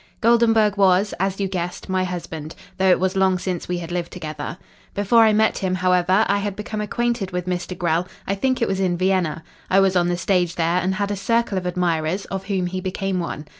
"Goldenburg was, as you guessed, my husband, though it was long since we had lived together. Before I met him, however, I had become acquainted with Mr. Grell I think it was in Vienna. I was on the stage there, and had a circle of admirers, of whom he became one.